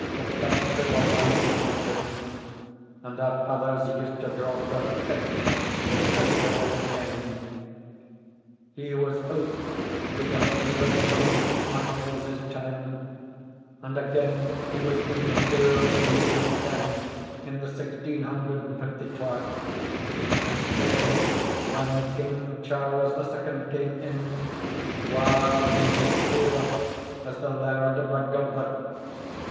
The country will lang mind him; and our fathers used to draw breath thick if ever they heard him named. He was out wi' the Hielandmen in Montrose's time; and again he was in the hills wi' Glencairn in the saxteen hundred and fifty twa; and sae when King Charles the Second came in, wha was in sic favour as the laird of Redgauntlet?